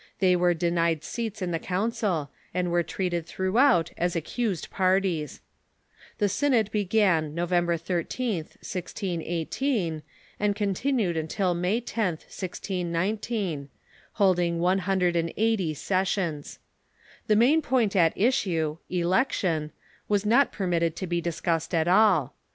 They Avere denied seats in the Council, and were treated throughout as accused par ties. The synod began November 13th, 1618, and continued until May 9th, 1619, holding one hundred and eighty sessions. The main point at issue — election — was not permitted to be discussed at all.